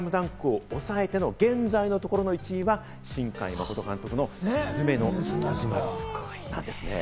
そんな『ＳＬＡＭＤＵＮＫ』を抑えて、現在のところの１位は新海誠監督の『すずめの戸締まり』なんですね。